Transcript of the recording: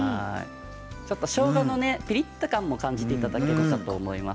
ちょっとしょうがのピリっと感も感じていただけると思います。